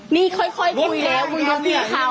นี่ค่อยพี่ว่าพี่เขา